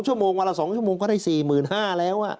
ชั่วโมงวันละ๒ชั่วโมงก็ได้๔๕๐๐แล้ว